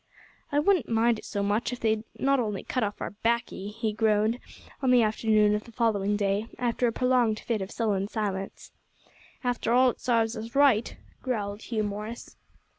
"I wouldn't mind it so much if they'd only not cut off our baccy," he groaned, on the afternoon of the following day, after a prolonged fit of sullen silence. "After all it sarves us right," growled Hugh Morris.